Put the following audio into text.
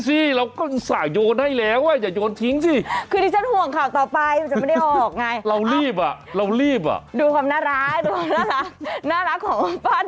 แต่ว่าน้องเขาพริ้วมากเลยน่ารักมากเลย